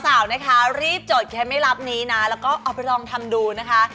สาวนะคะรีบจดแค่ไม่รับนี้นะแล้วก็เอาไปลองทำดูนะคะ